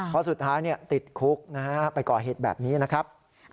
เพราะสุดท้ายติดคุกนะฮะไปก่อเหตุแบบนี้นะครับ